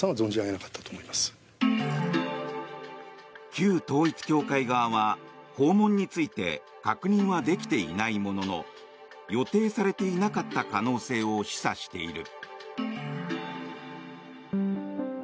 旧統一教会側は、訪問について確認はできていないものの予定されていなかった可能性を示唆している。